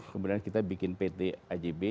kemudian kita bikin pt ajb